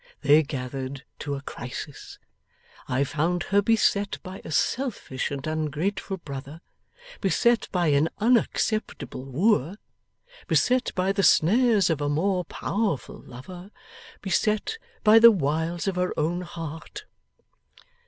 They gathered to a crisis. I found her beset by a selfish and ungrateful brother, beset by an unacceptable wooer, beset by the snares of a more powerful lover, beset by the wiles of her own heart.